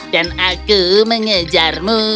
dan aku mengejarmu